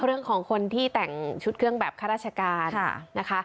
เรื่องของคนที่แต่งชุดเครื่องแบบข้าราชการนะคะ